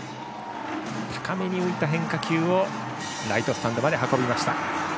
高めに浮いた変化球をライトスタンドに運びました。